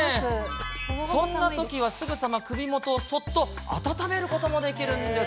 そんなときは、すぐさま首元をそっと温めることもできるんです。